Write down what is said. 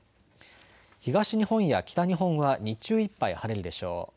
東日本や北日本は日中いっぱい晴れるでしょう。